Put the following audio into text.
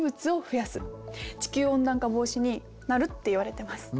地球温暖化防止になるっていわれてます。